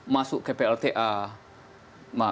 masuk ke plta